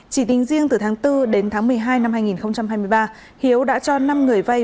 chỉ tính riêng từ tháng bốn đến tháng một mươi hai năm hai nghìn hai mươi ba hiếu đã cho năm người vay